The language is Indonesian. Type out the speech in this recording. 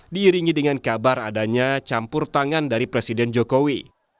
diiringi dengan kabar adanya campur tangan dari presiden jokowi